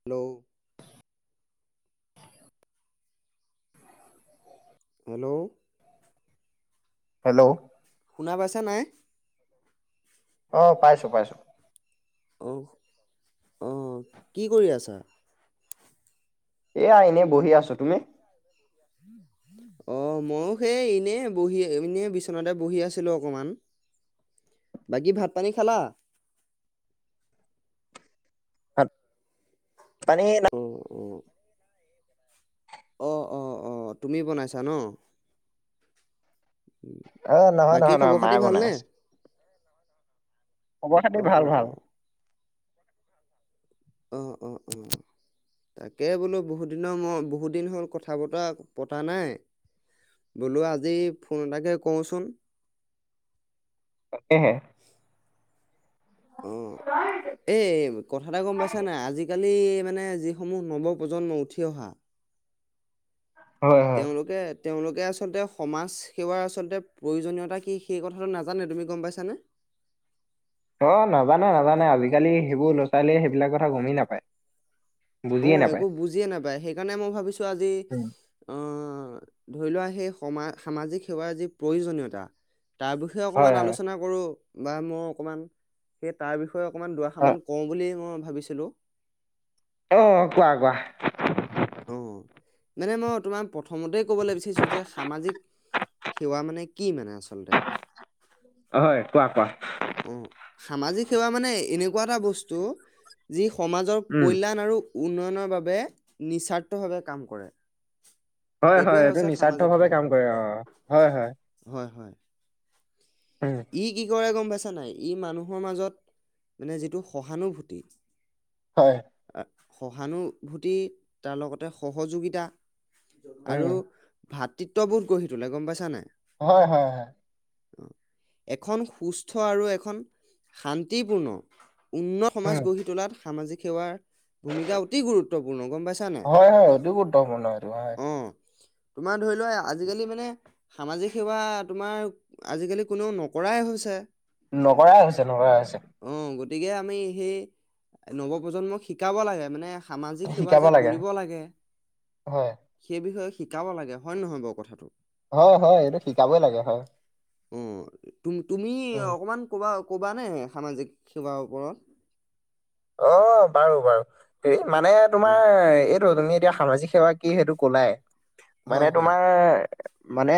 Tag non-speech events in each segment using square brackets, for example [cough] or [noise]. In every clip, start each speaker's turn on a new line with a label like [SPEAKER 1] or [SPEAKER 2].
[SPEAKER 1] Hello. Hello.
[SPEAKER 2] Hello.
[SPEAKER 1] শুনা পাইছা নাই?
[SPEAKER 2] অ', পাইছো, পাইছো।
[SPEAKER 1] অ', অ', কি কৰি আছাঁ?
[SPEAKER 2] এয়া এনেই বহি আছোঁ, তুমি?
[SPEAKER 1] [inaudible] অ', ময়ো সেই এনেই বহি, এনে বিচনাতে বহি আছিলো অকমান। বাকী ভাত পানী খালা?
[SPEAKER 2] [unintelligible] পানী না
[SPEAKER 1] অ', অ'। অ', অ', অ, তুমি বনাইছা ন।
[SPEAKER 2] অ', নহয়,
[SPEAKER 1] বাকী
[SPEAKER 2] নহয়, নহয়
[SPEAKER 1] খবৰ খাতি
[SPEAKER 2] মায়ে বনাই
[SPEAKER 1] ভালনে?
[SPEAKER 2] আছে। খবৰ-খাতি
[SPEAKER 1] অ', অ',
[SPEAKER 2] ভাল, ভাল।
[SPEAKER 1] অ'। অ', অ', অ'। তাকে বোলো বহুতদিনৰ মই, বহুতদিন হ'ল কথা-বতৰা পতা নাই বোলো আজি ফোন এটাকে কৰোচোন।
[SPEAKER 2] তাকে হে।
[SPEAKER 1] অ', এই কথা এটা গম পাইছা নাই, আজিকালি মানে যি সমূহ নৱপ্ৰজন্ম উঠি অহা।
[SPEAKER 2] হয় হয়
[SPEAKER 1] তেওঁলোকে তেওঁলোকে আচলতে সমাজ সেৱাৰ আচলতে প্ৰয়োজনীয়তা কি, সেই কথাটো নাজানে তুমি গম পাইছানে।
[SPEAKER 2] অ', নাজানে নাজানে আজিকালি সেইবোৰ লৰা-ছোৱালীয়ে সেইবিলাক কথা গমেই নাপায়।
[SPEAKER 1] অ',
[SPEAKER 2] বুজিয়ে নাপায়
[SPEAKER 1] একো বুজিয়ে নাপায়, সেইকাৰণে মই ভাবিছোঁ আজি
[SPEAKER 2] উম
[SPEAKER 1] আহ ধৰি লোৱা সেই সম সামাজিক সেৱাৰ যি প্ৰয়োজনীয়তা তাৰ বি ষয়
[SPEAKER 2] হয়
[SPEAKER 1] অকণমান
[SPEAKER 2] হয়
[SPEAKER 1] আলোচনা কৰোঁ বা মও অকণমান সেই তাৰ বিষয়ে অকণমান
[SPEAKER 2] অ
[SPEAKER 1] দুৱাষাৰ কওঁ বুলি মই ভাবিছিলোঁ।
[SPEAKER 2] অ কোৱা কোৱা।
[SPEAKER 1] অঁ মানে মই তোমাক প্ৰথমতেই ক'বলৈ বিচাৰিছো যে সামাজিক সেৱা মানে কি মানে আচলতে?
[SPEAKER 2] হয় কোৱা কোৱা
[SPEAKER 1] অঁ সামাজিক সেৱা মানে এনেকুৱা এটা বস্তু যি সমাজৰ
[SPEAKER 2] উম
[SPEAKER 1] কল্যাণ আৰু উন্নয়নৰ বাবে নিস্বাৰ্থভাৱে কাম কৰে।
[SPEAKER 2] হয় হয়
[SPEAKER 1] সেইটোৱে
[SPEAKER 2] এইটো
[SPEAKER 1] হৈছে
[SPEAKER 2] নিস্বাৰ্থ
[SPEAKER 1] সামাজিক
[SPEAKER 2] ভাৱে
[SPEAKER 1] সেৱা।
[SPEAKER 2] কাম কৰে অ হয় হয়।
[SPEAKER 1] হয় হয়।
[SPEAKER 2] উম।
[SPEAKER 1] ই কি কৰে গম পাইছা নাই ই মানুহৰ মাজত মানে যিটো সহানুভূতি
[SPEAKER 2] হয়।
[SPEAKER 1] সহানুভূতি তাৰ লগতে সহযোগিতা আৰু
[SPEAKER 2] উম
[SPEAKER 1] ভাতৃত্ব বোত গঢ়ি তোলে গম পাইছা নাই?
[SPEAKER 2] অঁ হয় হয়।
[SPEAKER 1] এখন সুস্থ আৰু এখন শান্তিপূৰ্ণ উন্নত সমাজ
[SPEAKER 2] উম
[SPEAKER 1] গঢ়ি তোলাত সামাজিক সেৱাৰ ভূমিকা অতি গুৰুত্বপূৰ্ণ গম পাইছা নাই?
[SPEAKER 2] হয় হয় অতি গুৰুত্ব পূৰ্ণ এইটো হয়।
[SPEAKER 1] অ তোমাৰ ধৰি লোৱা আজিকালি মানে সামাজিক সেৱা তোমাৰ আজিকালি কোনেও নকৰাই হৈছে।
[SPEAKER 2] নকৰাই হৈছে নকৰাই হৈছে।
[SPEAKER 1] অঁ গতিকে আমি সেই নৱপ্ৰজন্মক শিকাব লাগে মানে সামাজিক সেৱা যে কৰিব লাগে।
[SPEAKER 2] হয়
[SPEAKER 1] সেই বিষয়ে শিকাব লাগে হয় নহয় বাৰু কথাটো?
[SPEAKER 2] হয় হয় এইটো শিকাবই লাগে হয়।
[SPEAKER 1] অ তুম তুমি
[SPEAKER 2] উম
[SPEAKER 1] অকমান কবা ক'বানে সামাজিক সেৱাৰ ওপৰত
[SPEAKER 2] অঁ বাৰু বাৰু হেই মানে
[SPEAKER 1] অ
[SPEAKER 2] তোমাৰ এইটো তুমি এতিয়া সামাজিক সেৱা কি সেইটো কলাই, মানে
[SPEAKER 1] হয় হয়
[SPEAKER 2] তোমাৰ মানে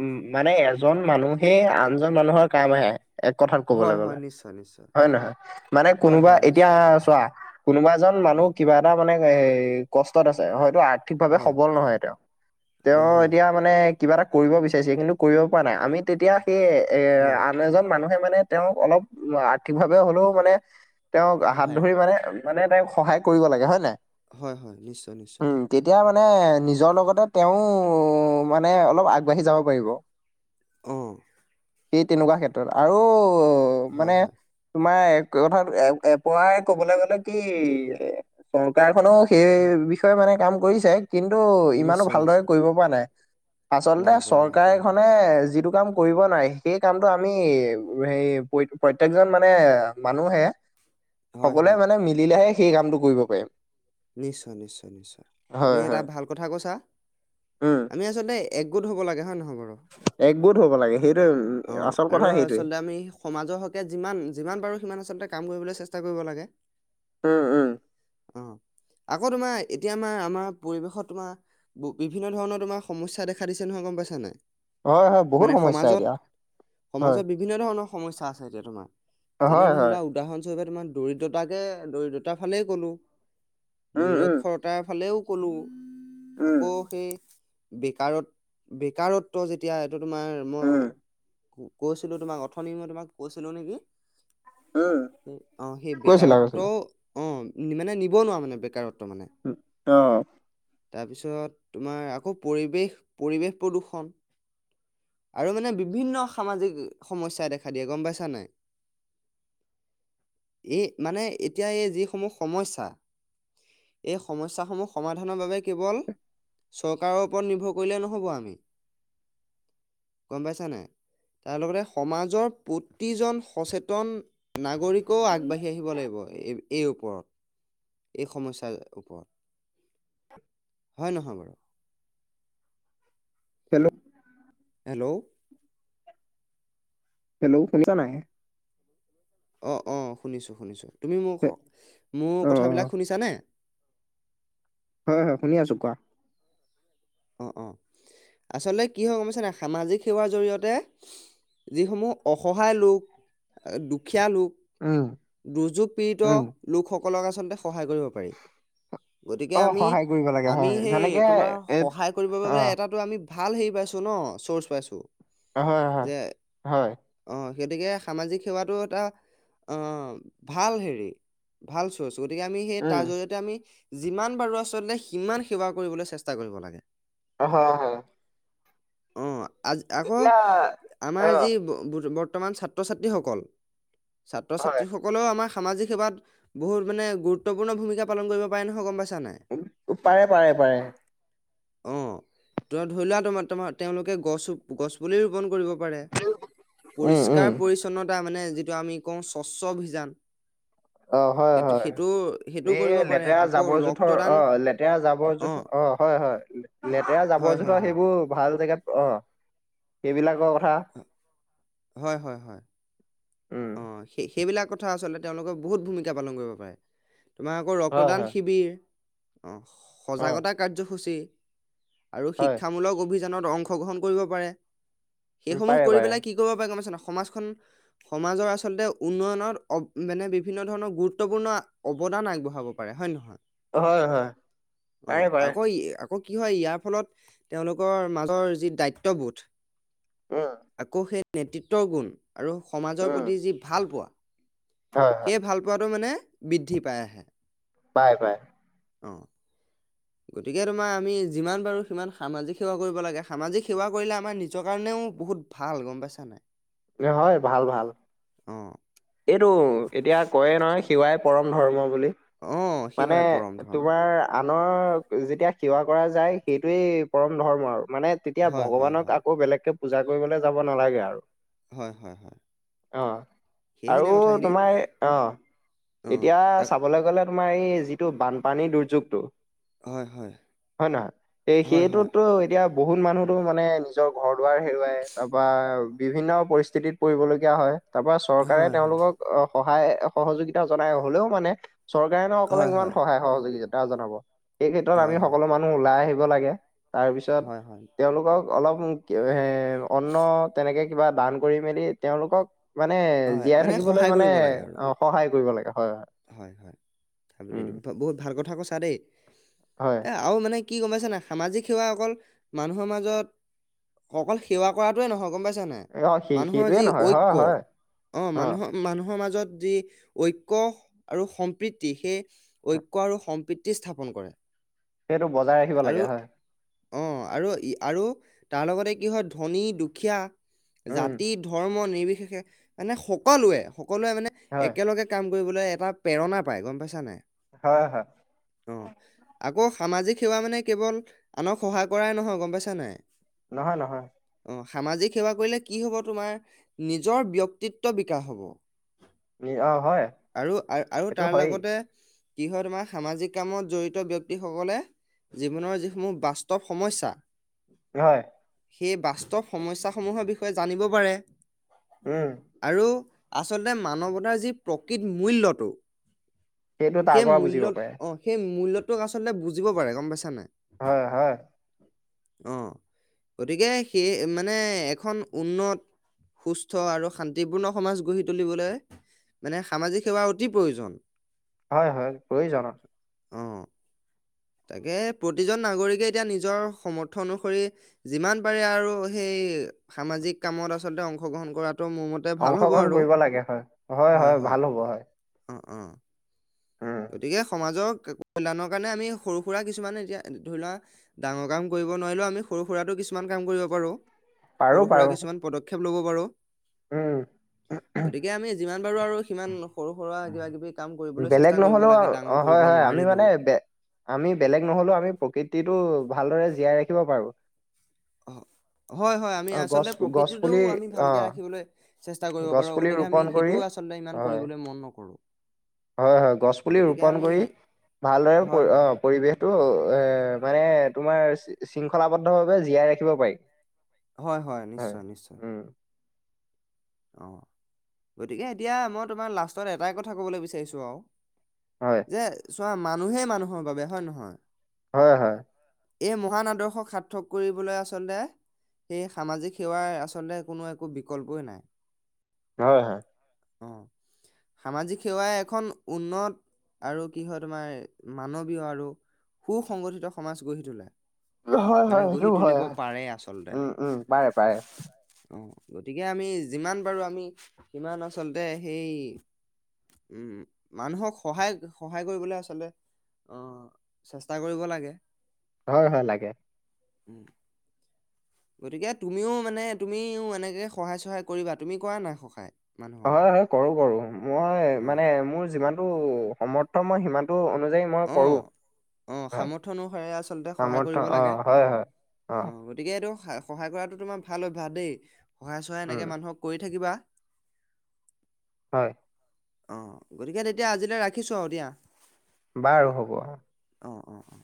[SPEAKER 2] উম মানে এজন মানুহে আ নজন মানুহৰ কাম আহে এক কথাত কবলৈ
[SPEAKER 1] হয়
[SPEAKER 2] গ'লে
[SPEAKER 1] হয় নিশ্চয় নিশ্চয়
[SPEAKER 2] হয় নে নহয় মানে
[SPEAKER 1] হয়
[SPEAKER 2] কোনোবা
[SPEAKER 1] হয় নিশ্চয়
[SPEAKER 2] হয় চোৱা কোনোবা এজন
[SPEAKER 1] অ
[SPEAKER 2] মানুহ কিবা এটা মানে এ কষ্টত আছে হয়তো আ ৰ্থিক ভাৱে
[SPEAKER 1] হয়
[SPEAKER 2] সবল নহয় তেওঁ, তেওঁ
[SPEAKER 1] হয় হয়
[SPEAKER 2] এতিয়া মানে কিবা এটা কৰিব বিচাৰিছে কিন্তু কৰিব পৰা নাই আমি তেতিয়া সেই এ
[SPEAKER 1] হয়
[SPEAKER 2] আন এজন মানুহে মানে তেওঁক অলপ আৰ্থিকভাৱে হ'লেও মানে তেওঁক হাত
[SPEAKER 1] সহায়
[SPEAKER 2] ধৰি মানে মানে তেওঁক সহায় কৰিব লাগে হয় নে নাই?
[SPEAKER 1] হয় হয়, নিশ্চয় নিশ্চয়।
[SPEAKER 2] উম তেতিয়া মানে নিজৰ লগতে তেওঁ মানে অলপ আগবাঢ়ি যাব পাৰিব।
[SPEAKER 1] উম।
[SPEAKER 2] সেই তেনেকুৱা ক্ষেত্ৰত আৰু
[SPEAKER 1] হয়
[SPEAKER 2] মানে
[SPEAKER 1] হয়
[SPEAKER 2] তোমাৰ কথা এপৰাই কবলৈ গলে কি চৰকাৰ খনো সেই
[SPEAKER 1] হয়
[SPEAKER 2] বি ষয় মানে কাম কৰিছে কিন্তু ইমানো
[SPEAKER 1] নিশ্চয়
[SPEAKER 2] ভালদৰে
[SPEAKER 1] নিশ্চয়
[SPEAKER 2] কৰিব পৰা নাই। আচলতে
[SPEAKER 1] নাই পৰা নাই
[SPEAKER 2] চৰকাৰ
[SPEAKER 1] পৰা হয়
[SPEAKER 2] খনে যিটো কাম কৰিব নোৱাৰে সেই কামটো আমি সেই প্ৰত্যেকজন মানে মানুহে
[SPEAKER 1] হয়
[SPEAKER 2] সকলোৱে
[SPEAKER 1] হয়
[SPEAKER 2] মানে মিলোহে, সেই কামটো কৰিব পাৰে।
[SPEAKER 1] নিশ্চয় নিশ্চয় নিশ্চয়, তুমি এটা
[SPEAKER 2] হয়।
[SPEAKER 1] ভাল কথা কৈছা।
[SPEAKER 2] উম,
[SPEAKER 1] আমি আচ লতে এক গোট হব লাগে হয় নহয় বাৰু,
[SPEAKER 2] একগোট হব লাগে সেইটোয়ে,
[SPEAKER 1] অ
[SPEAKER 2] আচল
[SPEAKER 1] আৰু
[SPEAKER 2] কথা সেইটোৱে।
[SPEAKER 1] আচলতে আমি সমাজৰ হকে যিমান যিমান পাৰো সিমান, আচলতে কাম কৰিবলৈ চেষ্টা কৰিব লাগে।
[SPEAKER 2] উম উম।
[SPEAKER 1] অ, আকৌ তোমাৰ এতিয়া আমাৰ আমাৰ পৰিৱেশত তোমাৰ, বিভিন্ন ধৰণৰ তোমাৰ সমস্যা দেখা দিছে নহয় গম পাইছা নাই?
[SPEAKER 2] হয় হয় বহুত
[SPEAKER 1] মানে
[SPEAKER 2] সমস্যা
[SPEAKER 1] সমাজত,
[SPEAKER 2] এতিয়া হয়,
[SPEAKER 1] সমাজত বিভিন্ন ধৰণৰ সমস্যা আছে, এতিয়া তোমাৰ যেনে
[SPEAKER 2] হয় হয়।
[SPEAKER 1] ধৰিলোৱা, উদাহৰণস্বৰূপে, তোমাক দৰিদ্ৰতাকে দৰিদ্ৰতাৰ ফালেই গ'লোঁ
[SPEAKER 2] উম, উম,
[SPEAKER 1] নিৰক্ষৰতাৰ ফালেও কলোঁ,
[SPEAKER 2] উম,
[SPEAKER 1] আকৌ সেই বেকাৰত বেকাৰত্ব যেতিয়া এইটো তোমাৰ
[SPEAKER 2] উম,
[SPEAKER 1] মই, কৈছিলো তোমাক অথনি মই তোমাক কৈছিলো, নেকি
[SPEAKER 2] উম,
[SPEAKER 1] অ সেই
[SPEAKER 2] কৈছিলা
[SPEAKER 1] বেকাৰত্ব,
[SPEAKER 2] কৈছিলা।
[SPEAKER 1] অ মানে নিবনুৱা মানে বেকাৰত্ব মানে।
[SPEAKER 2] অঁ।
[SPEAKER 1] তাৰপিছত, তোমাৰ আকৌ পৰিৱেশ পৰিৱেশ প্ৰদূষণ। আৰু মানে বিভিন্ন সামাজিক সমস্যাই দেখা দিয়ে গম পাইছা নাই। এই মানে এতিয়া এই যিসমূহ সমস্যা, এই সমস্যাসমূহ সমাধানৰ বাবে কেৱল, চৰকাৰৰ ওপৰত নিৰ্ভৰ কৰিলে নহব আমি। গম পাইছা নাই, তাৰ লগতে সমাজৰ প্ৰতিজন সচেতন নাগৰিক। কোঁ আগবাঢ়ি আহিব লাগিব এই এই ওপৰত। এই সমস্যাৰ ওপৰত হয় নহয় বাৰু?
[SPEAKER 2] হেল্লো।
[SPEAKER 1] হেল্ল'
[SPEAKER 2] হেল্ল' শুনিছা নাই?
[SPEAKER 1] অঁ অঁ শুনিছোঁ শুনিছোঁ, তুমি মোক
[SPEAKER 2] হে-
[SPEAKER 1] মোৰ
[SPEAKER 2] অ',
[SPEAKER 1] কথাবিলাক
[SPEAKER 2] অ
[SPEAKER 1] শুনিছানে?
[SPEAKER 2] হয় হয় শুনি আছোঁ, কোৱা।
[SPEAKER 1] অ অ, আচলতে কি হয় গম পাইছানে সামাজিক সেৱাৰ জৰিয়তে, যিসমূহ অসহায় লোক, দুখীয়া লোক,
[SPEAKER 2] উম।
[SPEAKER 1] দুৰ্যোগ পীড়িত
[SPEAKER 2] উম,
[SPEAKER 1] লোকসকলক আচলতে সহায় কৰিব পাৰি। গতিকে
[SPEAKER 2] অ',
[SPEAKER 1] আমি,
[SPEAKER 2] সহায় কৰিব লাগে
[SPEAKER 1] আমি
[SPEAKER 2] হয়
[SPEAKER 1] সেই
[SPEAKER 2] যেনেকে
[SPEAKER 1] তোমাৰ।
[SPEAKER 2] এ
[SPEAKER 1] সহায় কৰিব বাবে
[SPEAKER 2] অ'।
[SPEAKER 1] এটাটো আমি ভাল হেৰি পাইছো ন চৰ্চ পাইছো।
[SPEAKER 2] হয় হয়
[SPEAKER 1] যে,
[SPEAKER 2] হয়
[SPEAKER 1] অ সেই গতিকে, সামাজিক সেৱাটো এটা আহ ভাল হেৰি। ভাল চৰ্চ, গতিকে আমি সেই তাৰ
[SPEAKER 2] উম
[SPEAKER 1] জৰিয়তে আমি, যিমান পাৰো আচলতে, সিমান সেৱা কৰিবলৈ চেষ্টা কৰিব লাগে।
[SPEAKER 2] অঁ হয় হয়।
[SPEAKER 1] অ আ আকৌ
[SPEAKER 2] এতিয়া
[SPEAKER 1] আমাৰ
[SPEAKER 2] অ
[SPEAKER 1] যি বৰ্তমান ছাত্ৰ ছাত্ৰ- ছাত্ৰীসকল ছাত্ৰ
[SPEAKER 2] হয়
[SPEAKER 1] ছাত্ৰীস কলেও আমাৰ সামাজিক সেৱাত বহুত মানে গুৰুত্বপূৰ্ণ ভূমিকা পালন কৰিব পাৰে নহয়, গম পাইছা নাই।
[SPEAKER 2] ও পাৰে পাৰে পাৰে।
[SPEAKER 1] অঁ তোম ধৰি লোৱা তোমাৰ তোমাৰ তেওঁলোকে গছ গছ পুলি ৰোপণ কৰিব পাৰে।
[SPEAKER 2] উম উম
[SPEAKER 1] পৰিষ্কাৰ-পৰিচ্ছন্নতা মানে যিটো আমি কওঁ স্বচ্ছ অভিযান।
[SPEAKER 2] অ হয়
[SPEAKER 1] এইটো
[SPEAKER 2] হয়
[SPEAKER 1] সেইটো সেইটো কৰিব
[SPEAKER 2] এই
[SPEAKER 1] পাৰে
[SPEAKER 2] লেতেৰা
[SPEAKER 1] আকৌ
[SPEAKER 2] জাবৰ জোথৰ
[SPEAKER 1] ৰক্তদান
[SPEAKER 2] অ লেতেৰা জাবৰ জোথৰ অ হয় হয়
[SPEAKER 1] হ-
[SPEAKER 2] লেতেৰা
[SPEAKER 1] হয়
[SPEAKER 2] জাবৰ
[SPEAKER 1] হয়
[SPEAKER 2] জোঁথৰ
[SPEAKER 1] হয়
[SPEAKER 2] সেইবোৰ ভাল জেগাত অ সেইবিলাকৰ কথা
[SPEAKER 1] হয় হয় হয়।
[SPEAKER 2] উম
[SPEAKER 1] অ সেই সেইবিলাক কথা আচলতে তেওঁলোকৰ বহুত ভূমিকা পালন কৰিব পাৰে। তোমাৰ আকৌ
[SPEAKER 2] হয়
[SPEAKER 1] ৰক্তদান
[SPEAKER 2] হয়
[SPEAKER 1] শিবিৰ, অ
[SPEAKER 2] অ
[SPEAKER 1] সজাগতা কাৰ্যসূচী। আৰু
[SPEAKER 2] হয়
[SPEAKER 1] শিক্ষামূলক অভিযানত অংশগ্ৰহণ কৰিব পাৰে,
[SPEAKER 2] উম
[SPEAKER 1] সেইসমূহ
[SPEAKER 2] পাৰে
[SPEAKER 1] কৰি
[SPEAKER 2] পাৰে
[SPEAKER 1] পেলাই কি তো বাবে গম পাইছ নাই সমাজখন সমাজৰ আচলতে উন্নয়ন অ মানে বিভিন্ন ধৰণৰ গুৰুত্বপূৰ্ণ অৱদান আগবঢ়াব। হব পাৰে হয় নহয়,
[SPEAKER 2] হয় হয়
[SPEAKER 1] অ
[SPEAKER 2] পাৰে পাৰে
[SPEAKER 1] আকৌ ই আকৌ কি হয় ইয়াৰ ফলত তেওঁলোকৰ মাজৰ যি দায়িত্ববোধ।
[SPEAKER 2] উম
[SPEAKER 1] আকৌ সেই নেতৃত্বৰ গুণ আৰু সমাজৰ
[SPEAKER 2] উম
[SPEAKER 1] প্ৰতি যি ভাল পোৱা।
[SPEAKER 2] হয় হয়
[SPEAKER 1] সেই ভাল পোৱাটো মানে বৃদ্ধি পাই আহে।
[SPEAKER 2] পায় পায়।
[SPEAKER 1] অ গতিকে তোমাৰ আমি যিমান পাৰোঁ সিমান সামাজিক সেৱা কৰিব লাগে সামাজিক সেৱা কৰিলে আমাৰ নিজৰ কাৰণেও বহুত ভাল গম পাইছা নাই।
[SPEAKER 2] এ হয় ভাল ভাল।
[SPEAKER 1] অ
[SPEAKER 2] এইটো এতিয়া কয় নহয় সিৱাই পৰম ধৰ্ম বুলি।
[SPEAKER 1] অ
[SPEAKER 2] মানে
[SPEAKER 1] সেৱাই পৰম ধৰ্ম
[SPEAKER 2] তোমাৰ আনৰ যেতিয়া সেৱা কৰা যায় সেইটোৱেই পৰম ধৰ্ম আৰু মানে তেতিয়া
[SPEAKER 1] হয় হয়
[SPEAKER 2] ভগৱানক
[SPEAKER 1] হয়
[SPEAKER 2] আকৌ বেলেগকে পূজা কৰিবলে যাব নালাগে আৰু।
[SPEAKER 1] হয় হয় হয়।
[SPEAKER 2] অ আৰু
[SPEAKER 1] সেইখিনি কথাখিনি
[SPEAKER 2] তোমাৰ অ
[SPEAKER 1] অ
[SPEAKER 2] এতিয়া
[SPEAKER 1] আক-
[SPEAKER 2] চাবলে গ'লে তোমাৰ এই যিটো বানপানী দুৰ্যোগটো।
[SPEAKER 1] হয় হয়
[SPEAKER 2] হয় নহয় এই
[SPEAKER 1] হয়
[SPEAKER 2] সেইটো
[SPEAKER 1] হয়
[SPEAKER 2] এতিয়া বহুত মানুহতো মানে নিজৰ ঘৰ দুৱাৰ হেৰুৱাই তাৰপা বিভিন্ন পৰিস্থিতিত পৰিবলগীয়া হয় তাৰ পৰা চৰকাৰে
[SPEAKER 1] হয় হয়
[SPEAKER 2] তেওঁলোকক অ সহায় সহযোগিতা জনাই হলেও মানে। চৰকাৰে নো অকলে
[SPEAKER 1] হয় হয়
[SPEAKER 2] কিমান সহায় সহযোগিতা জনাব, এই ক্ষেত্ৰত আমি
[SPEAKER 1] হয়
[SPEAKER 2] সকলো মানুহ ওলাই আহিব লাগে, তাৰ পিছত
[SPEAKER 1] হয় হয় হয়
[SPEAKER 2] তেওঁলোকক অলপ এ অন্ন তেনেকে কিবা দান কৰি মেলি, তেওঁলোকক মানে
[SPEAKER 1] হয়
[SPEAKER 2] জীয়াই
[SPEAKER 1] মানে
[SPEAKER 2] থাকিবলৈ
[SPEAKER 1] সহায়
[SPEAKER 2] মানে
[SPEAKER 1] কৰিব লাগে আৰু
[SPEAKER 2] অ সহায় কৰিব লাগে, হয় হয়।
[SPEAKER 1] হয় হয়,
[SPEAKER 2] উম
[SPEAKER 1] বহুত ভাল কথা কৈছা দেই।
[SPEAKER 2] হয়।
[SPEAKER 1] এই আৰু মানে কি গম পাইছা নে নাই, সামাজিক সেৱা অকল মানুহৰ মাজত অকল সেৱা কৰাটোৱে নহয় গম পাইছা নে নাই,
[SPEAKER 2] অ সেই
[SPEAKER 1] মানুহৰ
[SPEAKER 2] সেইটোয়ে
[SPEAKER 1] যি
[SPEAKER 2] নহয় হয়
[SPEAKER 1] ঐক্য
[SPEAKER 2] হয়
[SPEAKER 1] অ' মানুহৰ মানুহৰ মাজত যি ঐক্য আৰু সম্প্ৰীতি সেই ঐক্য আৰু সম্প্ৰীতি স্থাপন কৰে।
[SPEAKER 2] সেইটো বজাই ৰাখিব
[SPEAKER 1] আৰু
[SPEAKER 2] লাগে হয়।
[SPEAKER 1] অ আৰু আৰু তাৰ লগতে কি হয় ধনী- দুখীয়া।
[SPEAKER 2] উম
[SPEAKER 1] জাতি, ধৰ্ম, নিৰ্বিশেষে, মানে সকলোৱে সকলোৱে মানে
[SPEAKER 2] হয়
[SPEAKER 1] একেলগে কাম কৰিবলৈ এটা প্ৰেৰণা পায় গম পাইছা নাই।
[SPEAKER 2] হয় হয়।
[SPEAKER 1] অ আকৌ সামাজিক সেৱা মানে কেৱল, আনক সহায় কৰাই নহয় গম পাইছা নাই।
[SPEAKER 2] নহয়-নহয়।
[SPEAKER 1] অ', সামাজিক সেৱা কৰিলে কি হ'ব তোমাৰ, নিজৰ ব্যক্তিত্ব বিকাশ হ'ব।
[SPEAKER 2] নি অ হয়
[SPEAKER 1] আৰু, আৰু
[SPEAKER 2] সেইটো
[SPEAKER 1] তাৰ
[SPEAKER 2] হয়েই
[SPEAKER 1] লগতে কি হয় তোমাৰ সামাজিক কামত জড়িত ব্যক্তিসকলে, জীৱনৰ যিসমূহ বাস্তৱ সমস্যা,
[SPEAKER 2] হয়।
[SPEAKER 1] সেই বাস্তৱ সমস্যাসমূহৰ বিষয়ে জানিব পাৰে।
[SPEAKER 2] উম।
[SPEAKER 1] আৰু, আচলতে মানৱতাৰ যি প্ৰকৃত মূল্যটো,
[SPEAKER 2] সেইটো তাৰ
[SPEAKER 1] সেই
[SPEAKER 2] পৰা বুজিব
[SPEAKER 1] মূল্যত
[SPEAKER 2] পাৰে
[SPEAKER 1] অ', সেই মূল্যটোক আচলতে বুজিব পাৰে গম পাইছা নাই।
[SPEAKER 2] হয়, হয়।
[SPEAKER 1] অ', গতিকে সেই মানে এখন উন্নত। সুস্থ আৰু শান্তিপূৰ্ণ সমাজ গঢ়ি তুলিবলৈ, মানে সামাজিক সেৱা অতি প্ৰয়োজন।
[SPEAKER 2] হয়-হয়, প্ৰয়োজন।
[SPEAKER 1] অ',। তাকে প্ৰতিজন নাগৰিকে এতিয়া নিজৰ সমৰ্থ অনুসৰি যিমান পাৰে আৰু সেই, সামাজিক কামত আচলতে অংশগ্ৰহণ কৰাটো মোৰ মতে, ভাল হ'ব
[SPEAKER 2] অংশগ্ৰহণ
[SPEAKER 1] আৰু
[SPEAKER 2] কৰিব লাগে, হয়, হয়, হয় ভাল হ'ব হয়।
[SPEAKER 1] অ', অ',।
[SPEAKER 2] উম
[SPEAKER 1] গতিকে সমাজক কল্যাণৰ কাৰণে আমি সৰু সুৰা কিছুমানে এতিয়া ধৰি লোৱা, ডাঙৰ কাম কৰিব নোৱাৰিলেও, আমি সৰু সুৰাতো কিছুমান কাম কৰিব পাৰো।
[SPEAKER 2] পাৰো
[SPEAKER 1] সৰু-সুৰা
[SPEAKER 2] পাৰো
[SPEAKER 1] কিছুমান পদক্ষেপ ল'ব পাৰোঁ।
[SPEAKER 2] উম
[SPEAKER 1] গতিকে আমি যিমান পাৰো আৰু সিমান সৰু- সুৰা কিবা- কিবি কাম কৰিবলৈ চেষ্টা
[SPEAKER 2] বেলেগ
[SPEAKER 1] কৰিব
[SPEAKER 2] নহ'লেও
[SPEAKER 1] লাগে ডাঙৰ
[SPEAKER 2] অ',
[SPEAKER 1] কৰিব
[SPEAKER 2] হয়- হয় আমি
[SPEAKER 1] নোৱাৰিলেও
[SPEAKER 2] মানে, আমি বেলেগ ন'হলেও আমি প্ৰকৃতিটো ভালদৰে জীয়াই ৰাখিব পাৰো।
[SPEAKER 1] হয়-হয় আমি
[SPEAKER 2] অ গছ
[SPEAKER 1] আচলতে,
[SPEAKER 2] গছ
[SPEAKER 1] প্ৰকৃতিটো
[SPEAKER 2] পুলি
[SPEAKER 1] আমি
[SPEAKER 2] অ
[SPEAKER 1] ভালকৈ ৰাখিবলৈ চেষ্টা কৰিব
[SPEAKER 2] গছ
[SPEAKER 1] পাৰো।
[SPEAKER 2] পুলি
[SPEAKER 1] গতিকে
[SPEAKER 2] ৰোপন
[SPEAKER 1] আমি
[SPEAKER 2] কৰি
[SPEAKER 1] সেইটোও আচলতে ইমান কৰিবলৈ মন নকৰো।
[SPEAKER 2] হয়-হয়। গছ পুলি
[SPEAKER 1] গতিকে
[SPEAKER 2] ৰোপণ
[SPEAKER 1] আমি
[SPEAKER 2] কৰি, ভালদৰে
[SPEAKER 1] হয়
[SPEAKER 2] পৰি
[SPEAKER 1] হয়
[SPEAKER 2] অ'
[SPEAKER 1] হয়
[SPEAKER 2] পৰিৱেশ এইটো এ মানে তোমাৰ শৃংখলাবদ্ধ ভাৱে জীয়াই ৰাখিব পাৰি।
[SPEAKER 1] হয়-হয়
[SPEAKER 2] হয়
[SPEAKER 1] নিশ্চয়, নিশ্চয়।
[SPEAKER 2] উম
[SPEAKER 1] অ', গতিকে এতিয়া মই তোমাৰ লাষ্টত এটাই কথা কবলৈ বিচাৰিছো আৰু।
[SPEAKER 2] হয়।
[SPEAKER 1] যে চোৱা মানুহেই মানুহৰ বাবে হয় নহয়!
[SPEAKER 2] হয়-হয়।
[SPEAKER 1] এই মহান আদৰ্শক সাৰ্থক কৰিবলৈ আচলতে সেই সামাজিক সেৱাৰ আচলতে কোনো একো বিকল্পই নাই।
[SPEAKER 2] হয়-হয়।
[SPEAKER 1] অ',। সামাজিক সেৱাই এখন উন্নত, আৰু কি হয় তোমাৰ মানৱীয় আৰু। সু সংগঠিত সমাজ গঢ়ি তোলে।
[SPEAKER 2] হয় হয়
[SPEAKER 1] মানে
[SPEAKER 2] হয়
[SPEAKER 1] গঢ়ি
[SPEAKER 2] সেইটো হয়
[SPEAKER 1] তুলিব
[SPEAKER 2] হয়
[SPEAKER 1] পাৰে আচলতে।
[SPEAKER 2] উম উম পাৰে পাৰে
[SPEAKER 1] অ', গতিকে আমি যিমান পাৰো আমি, সিমান আচলতে সেই উম মানুহক সহায় সহায় কৰিবলে আচলতে। অঁ চেষ্টা কৰিব লাগে।
[SPEAKER 2] হয় হয় লাগে।
[SPEAKER 1] উম। গতিকে তুমিও মানে তুমিও এনেকে সহায় চহায় কৰিবা, তুমি কৰা না সহায়। মানুহক
[SPEAKER 2] হয় হয় কৰো কৰো। মই
[SPEAKER 1] অ
[SPEAKER 2] মানে মোৰ যিমানটো সমৰ্থ মই সিমানটো অনুযায়ী মই কৰো,
[SPEAKER 1] অ অ
[SPEAKER 2] হয়
[SPEAKER 1] সামৰ্থ অনুসাৰে আচলতে সহায় কৰিব
[SPEAKER 2] সামৰ্থ্য
[SPEAKER 1] লাগে
[SPEAKER 2] অঁ হয় হয়
[SPEAKER 1] অ
[SPEAKER 2] অঁ।
[SPEAKER 1] গতিকে এটো হে সহায় কৰাটো তোমাৰ ভাল অভ্যাস দেই, সহায় চহায় এনেকে
[SPEAKER 2] উম
[SPEAKER 1] মানুহক কৰি থাকিবা।
[SPEAKER 2] হয়।
[SPEAKER 1] অঁ গতিকে তেতিয়া আজিলৈ ৰাখিছোঁ আও দিয়া।
[SPEAKER 2] বাৰু হ'ব।
[SPEAKER 1] অঁ অঁ অঁ।